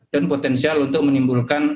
dan potensial untuk menimbulkan